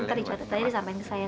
ntar dicatat aja disampaikan ke saya